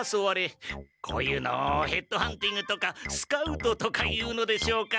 こういうのをヘッドハンティングとかスカウトとか言うのでしょうか。